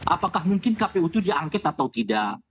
apakah mungkin kpu itu diangket atau tidak